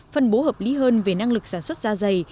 phân bố hợp lý hơn về năng lực sản xuất da dày